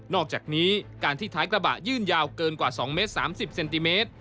อกจากนี้การที่ท้ายกระบะยื่นยาวเกินกว่า๒เมตร๓๐เซนติเมตร